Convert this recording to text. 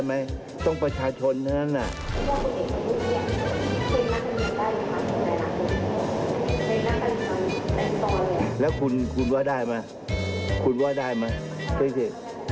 แล้วคุณว่าได้ไหมคุณว่าได้ไหมไปสิ